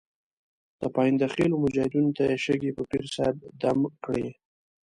د پاینده خېلو مجاهدینو ته یې شګې په پیر صاحب دم کړې.